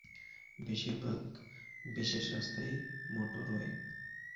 বেশিরভাগ বিশেষ রাস্তাই মোটরওয়ে।